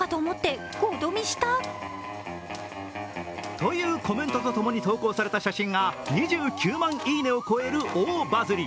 というコメントとともに投稿された写真が２９万いいねを超える大バズり。